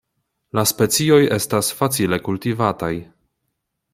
La specioj estas facile kultivataj.